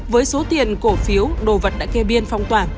với số tiền cổ phiếu đồ vật đã kê biên phong tỏa